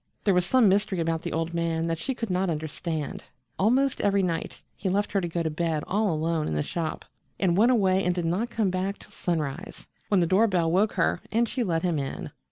There was some mystery about the old man that she could not understand. Almost every night he left her to go to bed all alone in the shop, and went away and did not come back till sunrise, when the door bell woke her and she let him in.